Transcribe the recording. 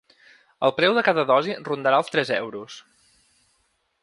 El preu de cada dosi rondarà els tres euros.